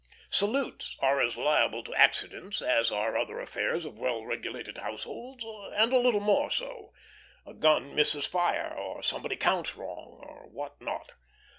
Salutes are as liable to accidents as are other affairs of well regulated households, and a little more so; a gun misses fire, or somebody counts wrong, or what not.